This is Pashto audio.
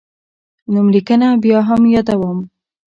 نوملیکنه بیا هم یادوم.